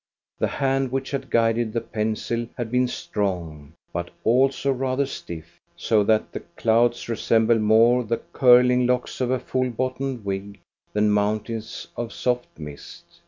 The hand which had guided the pencil had been strong, but also rather stiff, so that the clouds resembled more the curling locks of a full bottomed wig than moun tains of soft mist.